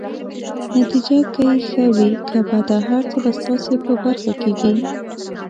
نتیجه که يې ښه وي که بده، هر څه به ستاسي په برخه کيږي.